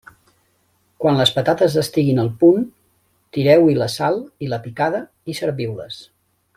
Quan les patates estiguin al punt, tireu-hi la sal i la picada i serviu-les.